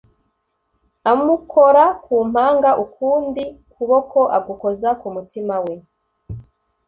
amukora kumpanga ukundi kuboko agukoza kumutima we